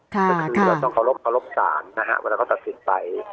ค่ะค่ะคือเราต้องเคารพสารนะฮะว่าเราก็ตัดสินไป